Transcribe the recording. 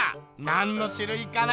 なんのしゅるいかな？